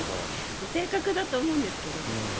性格だと思うんですけど。